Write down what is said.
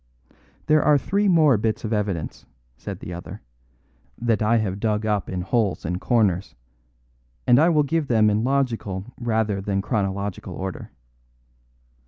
"There are three more bits of evidence," said the other, "that I have dug up in holes and corners; and I will give them in logical rather than chronological order.